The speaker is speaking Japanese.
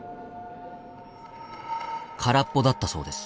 空っぽだったそうです。